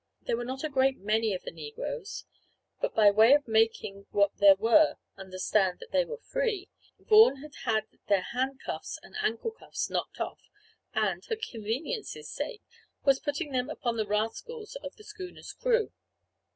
There were not a great many of the negroes; but by way of making what there were understand that they were free, Vaughan had had their handcuffs, and ankle cuffs knocked off, and, for convenience's sake, was putting them upon the rascals of the schooner's crew.